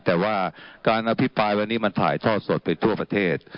แต่ว่าการอภิปรายวันนี้มันถ่ายทอดสดไปทั่วประเทศ